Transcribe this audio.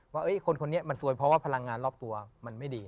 ว่าคนคนนี้มันซวยเพราะว่าพลังงานรอบตัวมันไม่ดี